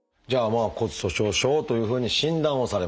まあ「骨粗しょう症」というふうに診断をされました。